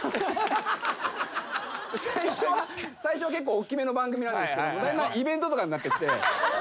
最初は結構おっきめな番組なんですけどだんだんイベントとかになってきて。